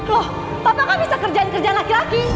loh papa kan bisa kerjain kerjain laki laki